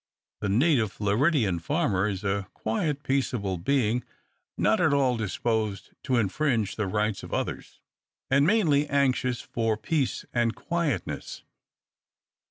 The native Floridian farmer is a quiet, peaceable being, not at all disposed to infringe the rights of others, and mainly anxious for peace and quietness.